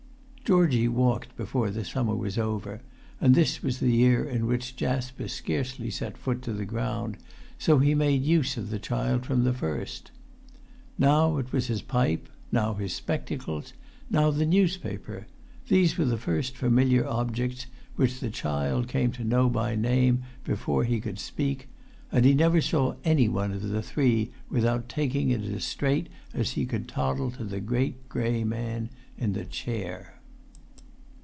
Georgie walked before the summer was over; and this was the year in which Jasper scarcely set foot to the ground, so he made use of the child from the first. Now it was his pipe, now his spectacles, now the newspaper; these were the first familiar objects which the child came to know by name before he could speak; and he never saw any one of the three without taking it as straight as he could toddle to the great grey man in the chair.